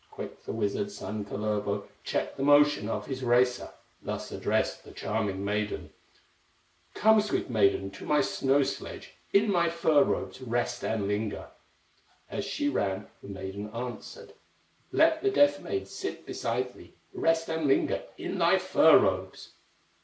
Quick the wizard son, Kullervo, Checked the motion of his racer, Thus addressed the charming maiden: "Come, sweet maiden, to my snow sledge, In my fur robes rest and linger!" As she ran, the maiden answered: "Let the Death maid sit beside thee, Rest and linger in thy fur robes!"